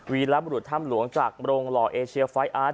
วีลัพธ์หรือท่ำหลวงจากโรงล่อเอเชียไฟท์อาร์ต